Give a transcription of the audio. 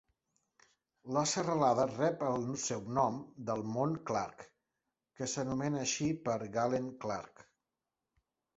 La serralada rep el seu nom del mont Clark, que s'anomena així per Galen Clark.